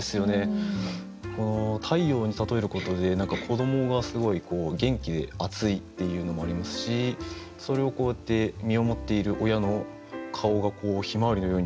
この太陽に例えることで子どもがすごい元気で熱いっていうのもありますしそれをこうやって見守っている親の顔が向日葵のように子どもを追いかけて動くっていう。